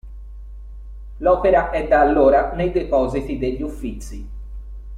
L'opera è da allora nei depositi degli Uffizi.